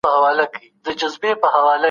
که پښتانه سره یو سي د اسیا زړه به روښانه سي.